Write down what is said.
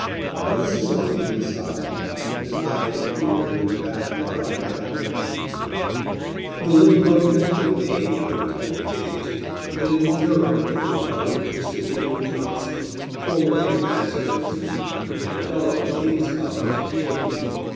But this is only an aside, and does not interfere with the value of Ionica.) The little book has no name on the title page, but it is known that the author was Mr. William Johnson, formerly a master at Eton and a fellow of King's College, Cambridge.